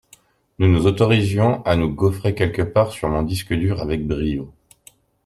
Nous nous autorisons à nous gauffrer quelque part sur mon disque dur avec brio.